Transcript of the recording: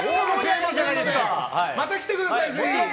また来てください、ぜひ。